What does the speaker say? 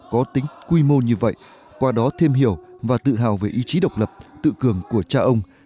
có tính quy mô như vậy qua đó thêm hiểu và tự hào về ý chí độc lập tự cường của cha ông